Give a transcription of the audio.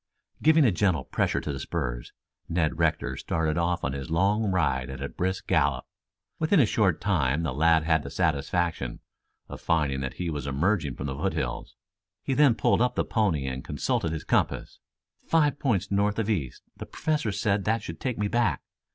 Giving a gentle pressure to the spurs, Ned Rector started off on his long ride at a brisk gallop. Within a short time the lad had the satisfaction of finding that he was emerging from the foothills. He then pulled up the pony and consulted his compass. "Five points north of east. The Professor said that should take me back.